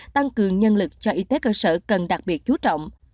tăng cường nhân lực cho y tế cơ sở cần đặc biệt chú trọng